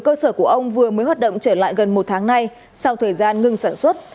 cơ sở của ông vừa mới hoạt động trở lại gần một tháng nay sau thời gian ngưng sản xuất